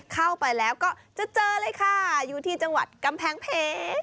เข้าไปแล้วก็จะเจอเลยค่ะอยู่ที่จังหวัดกำแพงเพชร